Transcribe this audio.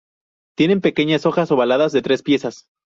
Tienen pequeñas hojas ovaladas de tres piezas.